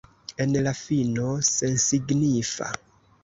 En la fino, sensignifa.